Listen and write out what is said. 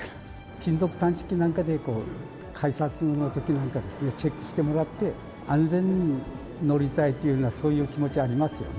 金属探知機なんかで改札のときなんかですね、チェックしてもらって、安全に乗りたいというような、そういう気持ちはありますよね。